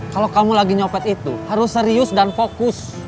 kalau kamu lagi nyopet itu harus serius dan fokus